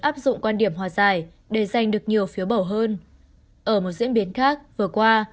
áp dụng quan điểm hòa giải để giành được nhiều phiếu bầu hơn ở một diễn biến khác vừa qua